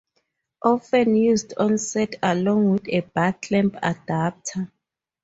Often used on set along with a bar clamp adapter.